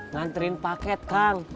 nganturin paket kang